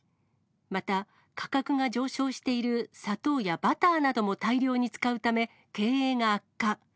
また、価格が上昇している砂糖やバターなども大量に使うため、経営が悪化。